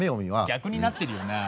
逆になってるよなあ。